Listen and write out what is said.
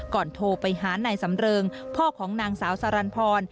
โทรไปหานายสำเริงพ่อของนางสาวสรรพร